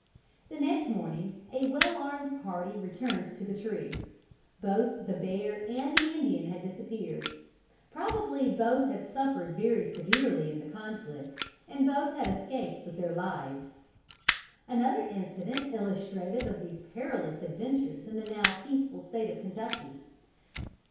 The next morning a well armed party returned to the tree. Both the bear and the Indian had disappeared. Probably both had suffered very severely in the conflict, and both had escaped with their lives. Another incident illustrative of these perilous adventures in the now peaceful State of Kentucky.